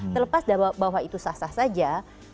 terlepas bahwa itu sah sah saja